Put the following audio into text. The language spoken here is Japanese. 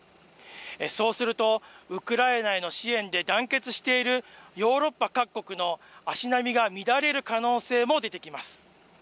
そうすると、ウクライナへの支援で団結しているヨーロッパ各国の足並みが乱れる可能性も出てきます。